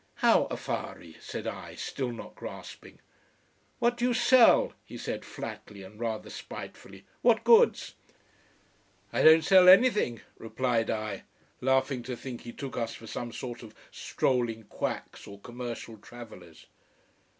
"How affari?" said I, still not grasping. "What do you sell?" he said, flatly and rather spitefully. "What goods?" "I don't sell anything," replied I, laughing to think he took us for some sort of strolling quacks or commercial travellers.